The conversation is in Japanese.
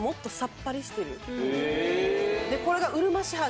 これが。